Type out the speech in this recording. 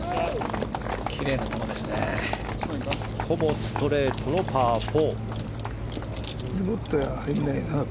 ほぼストレートのパー４。